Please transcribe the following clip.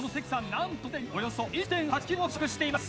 なんとすでにおよそ１．８ｋｇを完食しています。